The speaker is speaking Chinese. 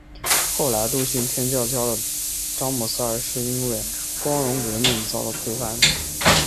后来笃信天主教的詹姆斯二世因为光荣革命遭到推翻。